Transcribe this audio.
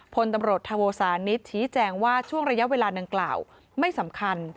พลตำรวจโทสานิทชี้แจงว่าช่วงระยะเวลาดังกล่าวไม่สำคัญ